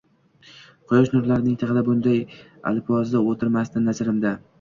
Quyosh nurlarining tig`ida bunday alpozda o`tirmasdi, nazarimda